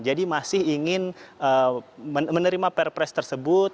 jadi masih ingin menerima perpres tersebut